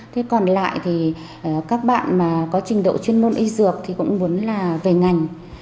thế còn lại thì các bạn mà có trình độ chuyên môn y dược thì cũng muốn là về ngành